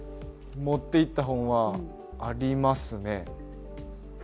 持っていった本はありますね。